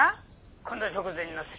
こんな直前になって。